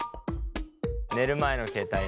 寝る前の携帯ね。